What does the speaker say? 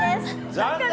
残念！